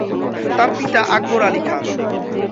তার পিতা আকবর আলী খান।